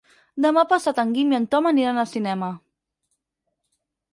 Demà passat en Guim i en Tom aniran al cinema.